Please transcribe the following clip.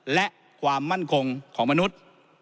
และความมั่นคงของมนุษย์